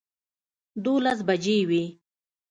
دولس بجې وې